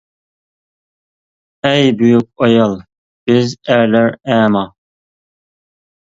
ئەي بۈيۈك ئايال بىز ئەرلەر ئەما.